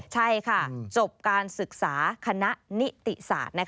ใช่ค่ะจบการศึกษาคณะนิติศาสตร์